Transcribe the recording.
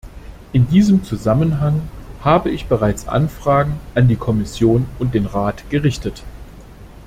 In diesem Zusammenhang habe ich bereits Anfragen an die Kommission und den Rat gerichtet.